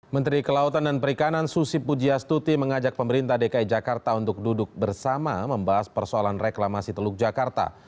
menteri kelautan dan perikanan susi pujiastuti mengajak pemerintah dki jakarta untuk duduk bersama membahas persoalan reklamasi teluk jakarta